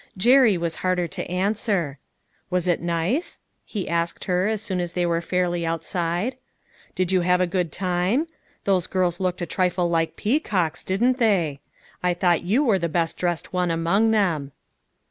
Jerry was harder to answer. " Was it nice ?" he asked her, as soon as they were fairly outside. " Did you have a good time ? Those girls looked a trifle like peacocks, didn't they? I thought you were the best dressed one among them."